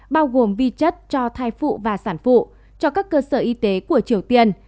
bao gồm vi chất cho thai phụ và sản phụ cho các cơ sở y tế của triều tiên